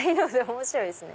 面白いですね。